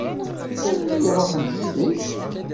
Melmi i ṛuḥent yid-k?